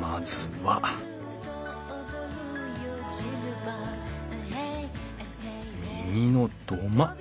まずは右の土間。